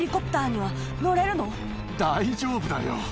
大丈夫だよ。